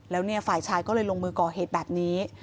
แล้วเนี่ยฝ่ายชายก็เลยลงมือก่อเหตุแบบนี้